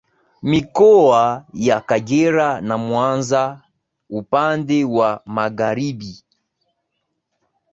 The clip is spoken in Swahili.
Mikoa ya Kagera na Mwanza upande wa Magharibi